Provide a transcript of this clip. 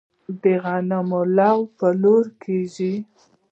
د غنمو لو په لور کیږي.